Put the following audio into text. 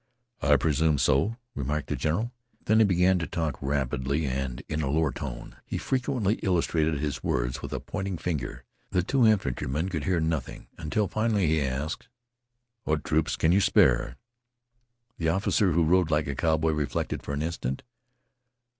"I presume so," remarked the general. Then he began to talk rapidly and in a lower tone. He frequently illustrated his words with a pointing finger. The two infantrymen could hear nothing until finally he asked: "What troops can you spare?" The officer who rode like a cowboy reflected for an instant.